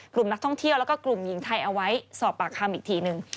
กลุ่มนักท่องเที่ยวแล้วก็กลุ่มหญิงไทยเอาไว้สอบปากคำอีกทีหนึ่ง